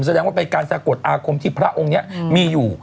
แสดงว่าเป็นการสะกดอาคมที่พระองค์นี้มีอยู่